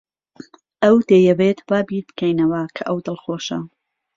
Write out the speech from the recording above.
ئەو دەیەوێت وا بیر بکەینەوە کە ئەو دڵخۆشە.